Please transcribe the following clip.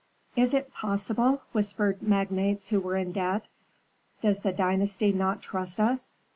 "Is it possible?" whispered magnates who were in debt. "Does the dynasty not trust us?